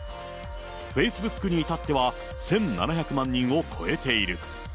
フェイスブックに至っては、１７００万人を超えている。